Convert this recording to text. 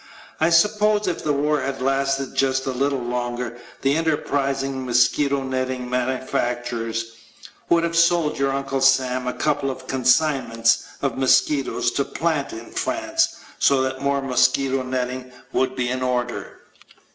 I suppose, if the war had lasted just a httle longer, the enterprising mosquito netting manufacturers would have sold your Uncle Sam a couple of consignments of mosquitoes to plant in France so that more mosquito netting would be in order.